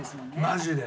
マジで。